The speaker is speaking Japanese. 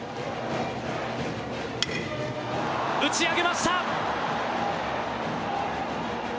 打ち上げました。